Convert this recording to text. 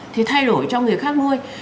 thì thay đổi cho người khác nuôi